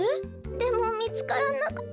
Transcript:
でもみつからなくて。